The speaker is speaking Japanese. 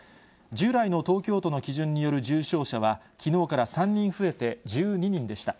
従来の東京都の基準による重症者は、きのうから３人増えて、１２人でした。